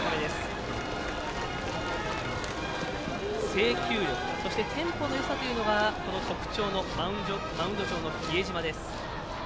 制球力、そしてテンポのよさというのが特徴のマウンド上の比江島です。